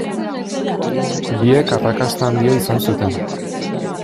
Biek arrakasta handia izan zuten.